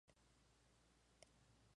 Asistió a la escuela durante dos años.